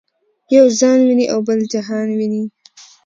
یو ځان ویني او بل جهان ویني.